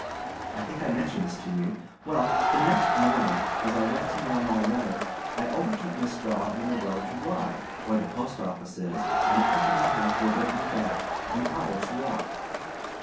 I think I mentioned this to you. Well, the next morning, as I went to mail my letter, I overtook Miss Daw on the road to Rye, where the post office is, and accompanied her thither and back, an hourâs walk.